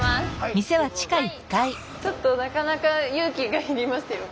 ちょっとなかなか勇気が要りますよ